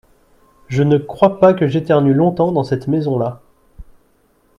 Je ne crois pas que j’éternue longtemps dans cette maison-là.